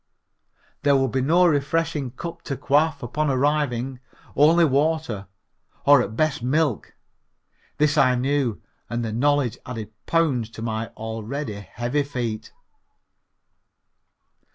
There would be no refreshing cup to quaff upon arriving, only water, or at best milk. This I knew and the knowledge added pounds to my already heavy feet.